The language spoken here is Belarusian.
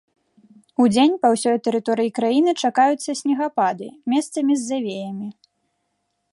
Удзень па ўсёй тэрыторыі краіны чакаюцца снегапады, месцамі з завеямі.